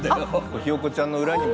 ひよこちゃんの裏にも。